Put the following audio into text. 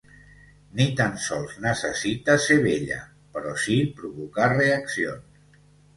Ni tan sols necessita ser bella, però sí provocar reaccions.